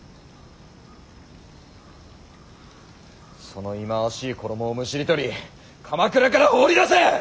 その忌まわしい衣をむしり取り鎌倉から放り出せ！